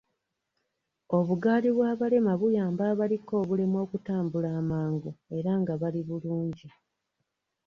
Obugaali bw'abalema buyamba abaliko obulemu okutambula amangu era nga bali bulungi.